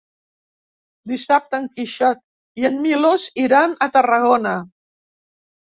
Dissabte en Quixot i en Milos iran a Tarragona.